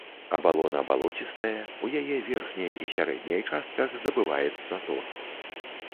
Абалона балоцістая, у яе верхняй і сярэдняй частках здабываецца торф.